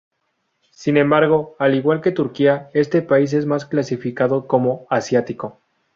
Sin embargo, al igual que Turquía, este país es más clasificado como asiático.